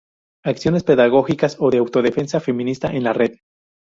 acciones pedagógicas o de autodefensa feminista en la red